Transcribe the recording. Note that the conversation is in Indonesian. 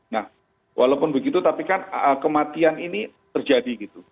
nah walaupun begitu tapi kan kematian ini terjadi gitu